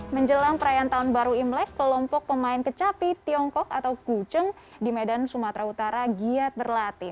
menjelang perayaan tahun baru imlek kelompok pemain kecapi tiongkok atau kucheng di medan sumatera utara giat berlatih